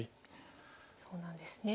そうなんですね。